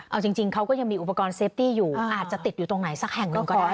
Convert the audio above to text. เอาจริงเขาก็ยังมีอุปกรณ์เซฟตี้อยู่อาจจะติดอยู่ตรงไหนสักแห่งหนึ่งก็ได้